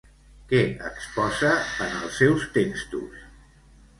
Què exposa en els seus textos?